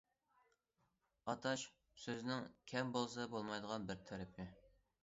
« ئاتاش» سۆزنىڭ كەم بولسا بولمايدىغان بىر تەرىپى.